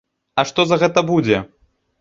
А што за гэта будзе?